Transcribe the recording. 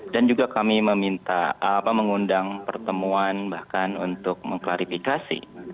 dan juga kami meminta mengundang pertemuan bahkan untuk mengklarifikasi